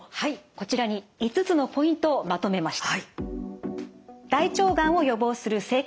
こちらに５つのポイントをまとめました。